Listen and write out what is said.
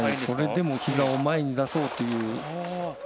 それでもひざを前に出そうという。